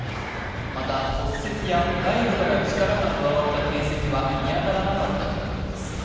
また骨折や外部から力が加わった形跡は見当たらなかったということです。